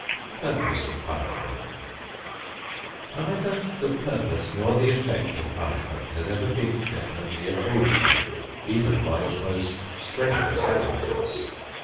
II PURPOSE OF PUNISHMENT Neither the purpose nor the effect of punishment has ever been definitely agreed upon, even by its most strenuous advocates.